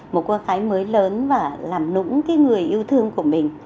một con gái mới lớn và làm nũng cái người yêu thương của mình